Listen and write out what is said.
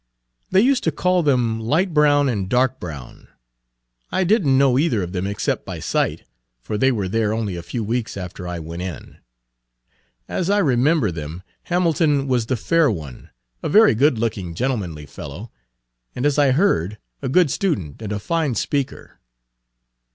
They used to call them 'light Brown' and 'dark Brown.' I did n't know either of them except by sight, for they were there only a few weeks after I went in. As I remember them, Hamilton was the fair one a very good looking, gentlemanly fellow, and, as I heard, a good student and a fine speaker."